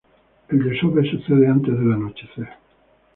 El desove sucede antes del anochecer.